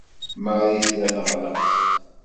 Marie tella teɣleq.